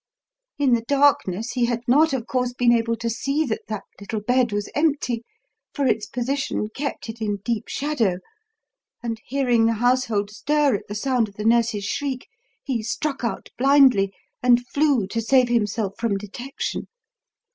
In the darkness he had not, of course, been able to see that that little bed was empty, for its position kept it in deep shadow, and hearing the household stir at the sound of the nurse's shriek, he struck out blindly and flew to save himself from detection.